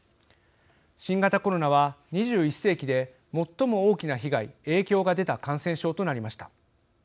新型コロナは２１世紀で最も大きな被害、影響が出た感染症となりました。